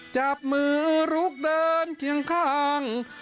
จับมือลุกเดินเคียงข้าง